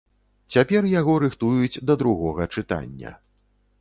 Цяпер яго рыхтуюць да другога чытання.